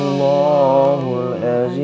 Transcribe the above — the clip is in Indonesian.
hmm ini urusan